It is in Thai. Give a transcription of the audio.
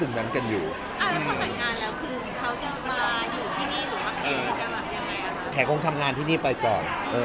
คือจะมายังไงครับแขกคงทำงานที่นี่ไปก่อนเออ